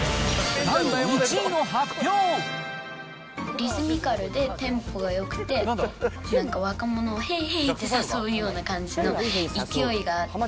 リズミカルでテンポがよくて、なんか若者をへいへいって誘う感じの勢いがあって。